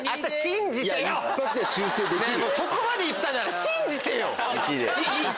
そこまで言ったなら信じてよ！